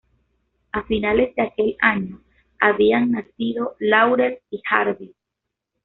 A finales de aquel año habían nacido Laurel y Hardy.